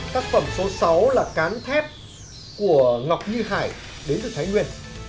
tác phẩm số sáu là cán thép của ngọc như hải đến từ đồng nai